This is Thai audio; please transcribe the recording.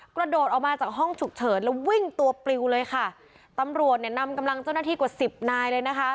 กระโดดออกมาจากห้องฉุกเฉินแล้ววิ่งตัวปลิวเลยค่ะตำรวจเนี่ยนำกำลังเจ้าหน้าที่กว่าสิบนายเลยนะคะ